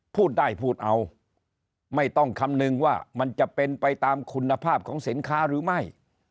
พูดได้พูดเอาไม่ต้องคำนึงว่ามันจะเป็นไปตามคุณภาพของสินค้าหรือไม่